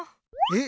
え？